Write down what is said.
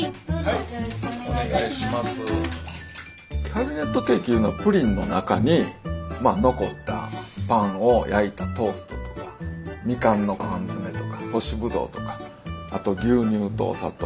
キャビネットケーキいうのはプリンの中に残ったパンを焼いたトーストとかみかんの缶詰とか干しブドウとかあと牛乳とお砂糖。